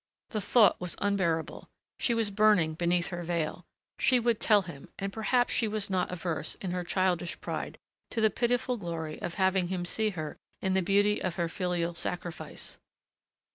The thought was unbearable. She was burning beneath her veil. She would tell him.... And perhaps she was not averse, in her childish pride, to the pitiful glory of having him see her in the beauty of her filial sacrifice.